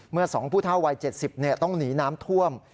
เมื่อ๒ผู้เท่าวัย๗๐ต้องหนีน้ำท่วม